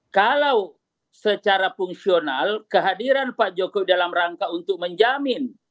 kalau secara fungsional kehadiran pak jokowi dalam rangka untuk menjamin